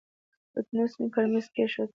پتنوس يې پر مېز کېښود.